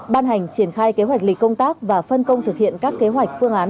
ban hành triển khai kế hoạch lịch công tác và phân công thực hiện các kế hoạch phương án